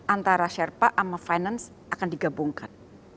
antara sherpa sama finance akan digabungkan